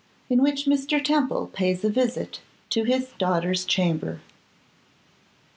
In Which Mr. Temple Pays a Visit to His Daughter's Chamber.